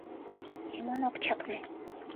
— Семон ок чакне.